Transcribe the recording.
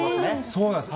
そうなんです。